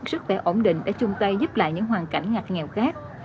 sức khỏe ổn định đã chung tay giúp lại những hoàn cảnh ngạc nghèo khác